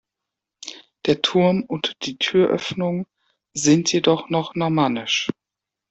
Der Turm und die Türöffnung sind jedoch noch normannisch.